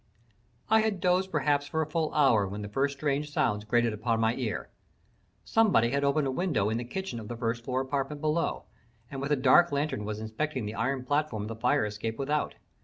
I had dozed perhaps for a full hour when the first strange sounds grated upon my ear. Somebody had opened a window in the kitchen of the first floor apartment below, and with a dark lantern was inspecting the iron platform of the fire escape without.